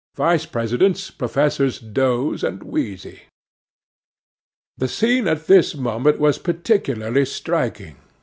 Vice Presidents—Professors Doze and Wheezy. 'The scene at this moment was particularly striking.